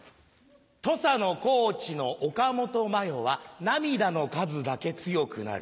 土佐の高知の岡本真夜は涙の数だけ強くなる。